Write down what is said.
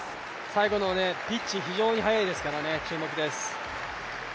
最後のピッチ非常に速いですから注目です。